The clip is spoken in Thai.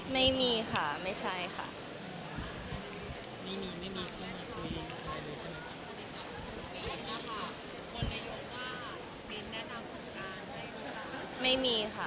ไม่ค่ะไม่เค้าไม่ได้พูดถึกค่ะ